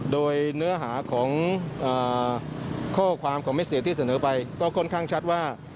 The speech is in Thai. โดยเนื้อหาของข้อความของไม่เสียที่เสนอไปก็ค่อนข้างชัดว่า